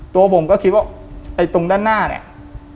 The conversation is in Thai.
ตัวผมก็คิดว่าไอ้ตรงด้านหน้าเนี่ย